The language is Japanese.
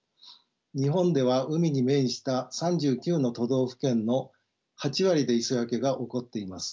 日本では海に面した３９の都道府県の８割で磯焼けが起こっています。